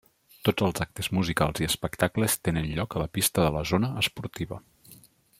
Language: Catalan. Tots els actes musicals i espectacles tenen lloc a la pista de la zona esportiva.